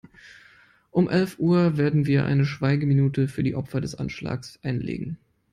Um elf Uhr werden wir eine Schweigeminute für die Opfer des Anschlags einlegen.